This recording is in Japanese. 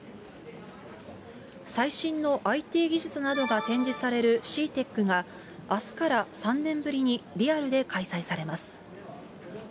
最新のＩＴ技術などが展示されるＣＥＡＴＥＣが、あすから３年ぶりにリアルで開催されます。